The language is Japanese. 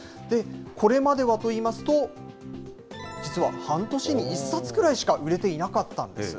これまではといいますと、実は半年に１冊くらいしか売れていなかったんです。